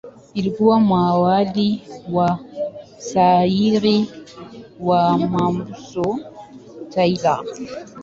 Alikuwa mwalimu wa mshairi wa Mombasa W. E. Taylor.